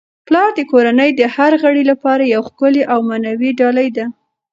پلار د کورنی د هر غړي لپاره یو ښکلی او معنوي ډالۍ ده.